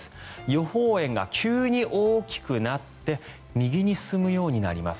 予報円が急に大きくなって右に進むようになります。